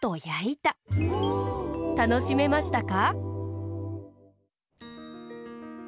たのしめましたか？